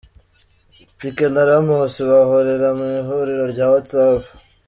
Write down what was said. Pique na Ramos bahurira mu ihuriro rya WhatsApp.